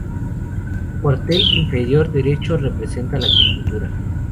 Cuartel inferior derecho, representa la agricultura.